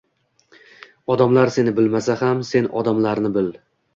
Odamlar seni bilmasa ham, sen odamlarni bil